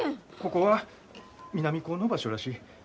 ここは南高の場所らしい。